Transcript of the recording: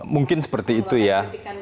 mungkin seperti itu ya